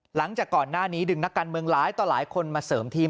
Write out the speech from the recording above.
หลังจากก่อนหน้านี้ดึงนักการเมืองหลายต่อหลายคนมาเสริมทีม